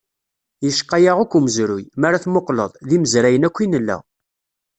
Yecqa-yaɣ akk umezruy, mara tmuqleḍ, d imezrayen akk i nella.